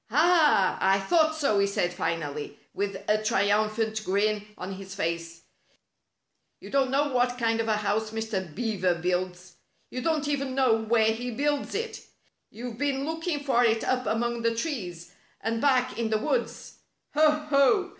" Ah! I thought so," he said finally, with a triumphant grin on his face. " You don't know what kind of a house Mr. Beaver builds. You don't even know where he builds it. You've been looking for it up among the trees, and back in the woods. Ho ! Ho